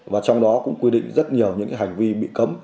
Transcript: và trong đó cũng quy định rất nhiều những hành vi bị cấm